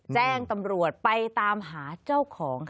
แจ้งตำรวจไปตามหาเจ้าของค่ะ